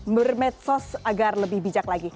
bermedsos agar lebih bijak lagi